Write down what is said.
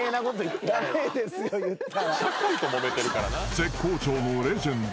［絶好調のレジェンド。